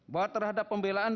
bahwa terhadap pembelaan